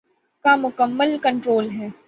کا مکمل کنٹرول ہے۔